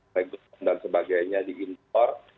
reggel dan sebagainya di indoor